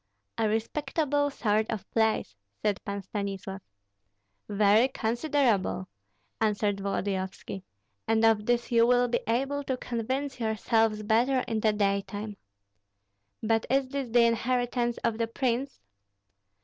"A respectable sort of place," said Pan Stanislav. "Very considerable," answered Volodyovski; "and of this you will be able to convince yourselves better in the daytime." "But is this the inheritance of the prince?"